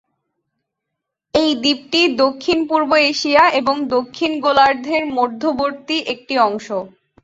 এই দ্বীপটি দক্ষিণ-পূর্ব এশিয়া এবং দক্ষিণ গোলার্ধের মধ্যবর্তী একটি অংশ।